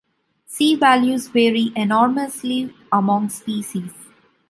C-values vary enormously among species.